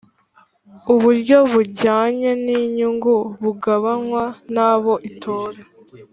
uburyo bujyanye n inyungu bugabanywa na bo itora